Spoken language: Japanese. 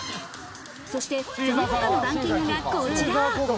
そして、その他のランキングがこちら。